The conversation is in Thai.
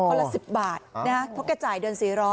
ละ๑๐บาทนะเพราะแกจ่ายเดือน๔๐๐